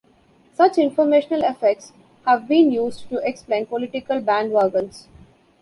Such informational effects have been used to explain political bandwagons.